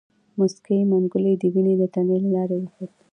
موسکی منګلی د ونې د تنې له لارې وخوت.